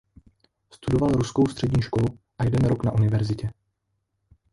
Studoval ruskou střední školu a jeden rok na univerzitě.